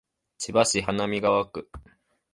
千葉市花見川区